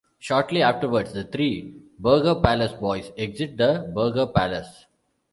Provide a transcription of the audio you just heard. Shortly afterwards, the three Burger Palace Boys exit the Burger Palace.